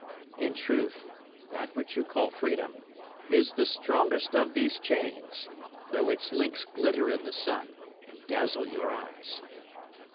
In truth that which you call freedom is the strongest of these chains, though its links glitter in the sun and dazzle your eyes.